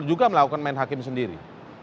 juga melakukan main hakim sendiri